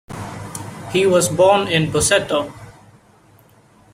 He was born in Busseto.